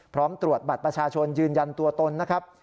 พร้อมตรวจบัตรประชาชนยืนยันตัวตนนะครับ